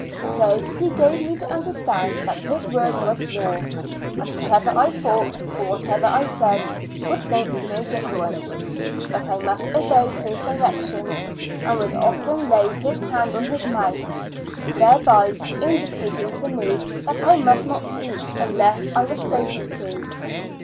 So he gave me to understand that his word was law, and whatever I thought or whatever I said would make no difference; that I must obey his directions, and would often lay his hand on his mouth, thereby indicating to me that 7.V A L UNA TIC ASYL UM. 4 5 I must not speak unless •! was spoken to.